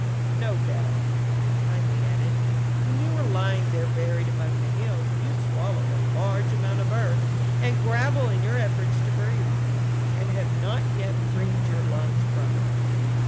"No doubt," he kindly added, "when you were lying there buried among the hills, you swallowed a large amount of earth and gravel in your efforts to breathe, and have not yet freed your lungs from it."